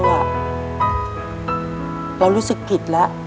เรารู้สึกผิดแล้ว